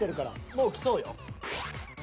もうきそうよ。